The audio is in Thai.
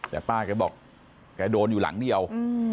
แต่ป้าแกบอกแกโดนอยู่หลังเดียว